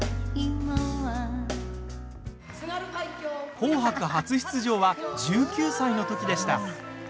「紅白」初出場は１９歳の時でした。